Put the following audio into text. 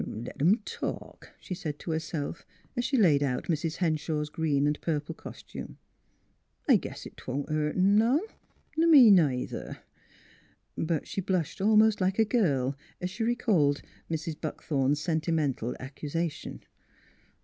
" Let 'em talk," she said to herself, as she laid out Mrs. Henshaw's green and purple costume. " I guess 'twon't hurt 'em none, ner me neither." But she blushed almost like a girl as she re called Mrs. Buckthorn's sentimental accusation.